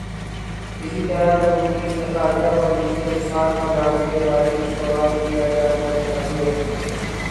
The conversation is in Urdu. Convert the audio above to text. اسی طرح ن لیگ سے خارجہ پالیسی کے ساتھ خزانے کے بارے میں سوال کیا جانا چاہیے۔